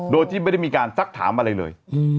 โดยที่ไม่ได้มีการซักถามอะไรเลย